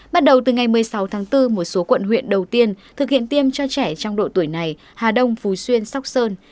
bắt đầu từ ngày một mươi sáu tháng bốn một số quận huyện đầu tiên thực hiện tiêm cho trẻ trong độ tuổi này hà đông phú xuyên sóc sơn